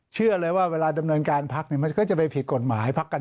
เชื่อเลยว่าเวลาดำเนินการพักมันก็จะไปผิดกฎหมายพักกัน